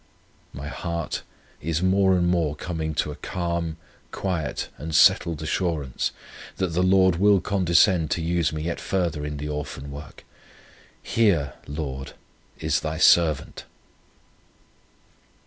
My heart is more and more coming to a calm, quiet, and settled assurance, that the Lord will condescend to use me yet further in the Orphan Work. Here, Lord, is Thy servant!"